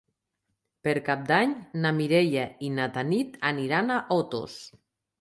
Per Cap d'Any na Mireia i na Tanit aniran a Otos.